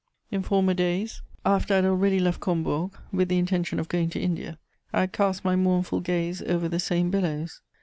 In former days, after I had already left Combourg, with the intention of going to India, I had cast my mournful gaze over the same billows.